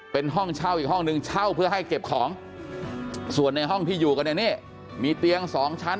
เป็นห้องเช่าอีกห้องนึงเช่าเพื่อให้เก็บของส่วนในห้องที่อยู่กันเนี่ยนี่มีเตียงสองชั้น